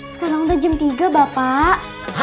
sekarang udah jam tiga bapak